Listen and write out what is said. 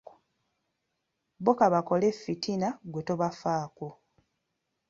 Bo ka bakole effitina ggwe tobafaako.